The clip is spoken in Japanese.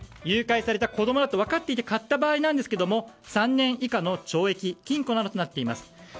誘拐された子供だと分かっていて買った場合ですが３年以下の懲役禁錮などとなっています。